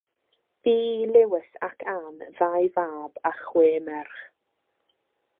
Bu i Lewis ac Anne ddau fab a chwe merch.